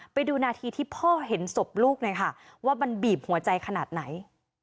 ไปดูนาทีที่พ่อเห็นศพลูกหน่อยค่ะว่ามันบีบหัวใจขนาดไหน